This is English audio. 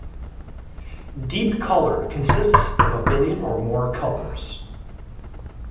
"Deep color" consists of a billion or more colors.